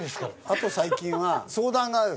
あと最近は相談が。